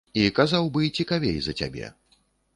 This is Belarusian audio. І казаў бы цікавей за цябе.